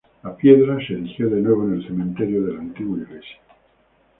La piedra se erigió de nuevo en el cementerio de la antigua iglesia.